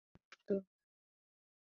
Mo joŋ gi me daaǝǝm to.